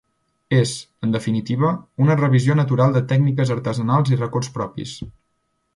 És, en definitiva, una revisió natural de tècniques artesanals i records propis.